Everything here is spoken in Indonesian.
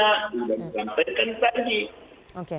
saya sampaikan tadi